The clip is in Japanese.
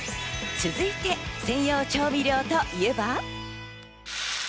続いて専用調味料といえば。